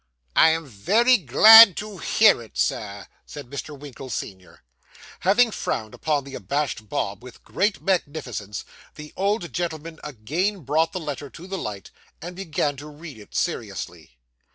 'I am very glad to hear it, sir,' said Mr. Winkle, senior. Having frowned upon the abashed Bob with great magnificence, the old gentleman again brought the letter to the light, and began to read it seriously.